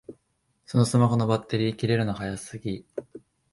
このスマホのバッテリー切れるの早すぎ